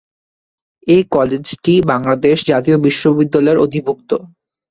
এ কলেজটি বাংলাদেশ জাতীয় বিশ্ববিদ্যালয়ের অধিভুক্ত।